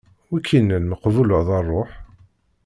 Wi k-innan meqbuleḍ a ṛṛuḥ?